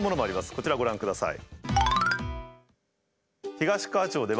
こちらご覧ください。